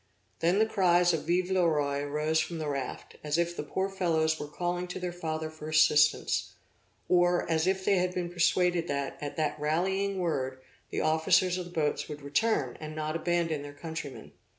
Then the cries of Vive le Roi arose from the raft, as if the poor fellows were calling to their father for assistance; or, as if they had been persuaded that, at that rallying word, the officers of the boats would return, and not abandon their countrymen.